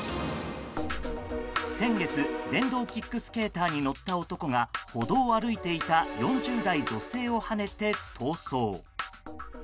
先月、電動キックスケーターに乗った男が歩道を歩いていた４０代女性をはねて逃走。